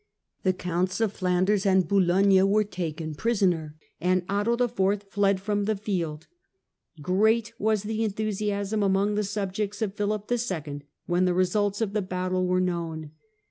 The Counts of Flanders July 27, ' and Boulogne were taken prisoner, and Otto IV. fled 1214 £j.Qj^ ^Y\G field. Great was the enthusiasm among the subjects of Philip II. when the results of the battle were known.